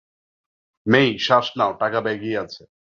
মেই, শ্বাস নাও, টাকা ব্যাগেই আছে।